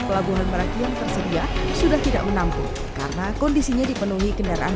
pelabuhan merak yang tersedia sudah tidak menampung karena kondisinya dipenuhi kendaraan